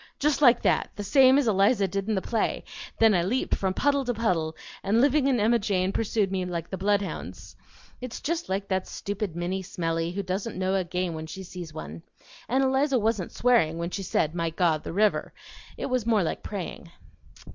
just like that the same as Eliza did in the play; then I leaped from puddle to puddle, and Living and Emma Jane pursued me like the bloodhounds. It's just like that stupid Minnie Smellie who doesn't know a game when she sees one. And Eliza wasn't swearing when she said 'My God! the river!' It was more like praying."